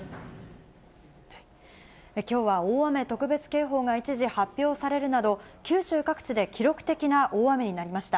きょうは大雨特別警報が一時発表されるなど、九州各地で記録的な大雨になりました。